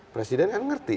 presiden kan ngerti